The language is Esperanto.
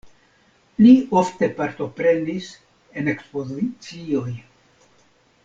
Li ofte partoprenis en ekspozicioj.